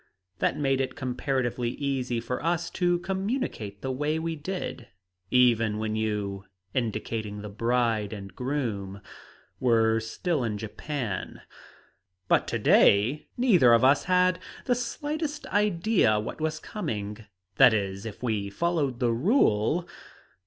That made it comparatively easy for us to communicate the way we did, even when you" indicating the bride and groom "were still in Japan. "But to day neither of us had the slightest idea what was coming. That is, if we followed the rule.